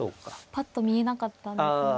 ぱっと見えなかったんですが。